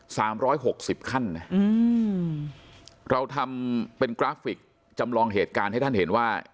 สามร้อยหกสิบขั้นนะอืมเราทำเป็นกราฟิกจำลองเหตุการณ์ให้ท่านเห็นว่า